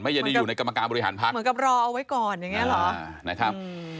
เหมือนกับรอเอาไว้ก่อนอย่างนี้หรอ